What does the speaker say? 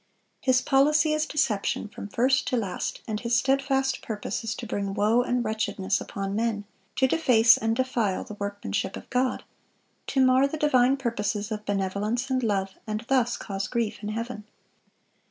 His policy is deception from first to last, and his steadfast purpose is to bring woe and wretchedness upon men, to deface and defile the workmanship of God, to mar the divine purposes of benevolence and love, and thus cause grief in heaven.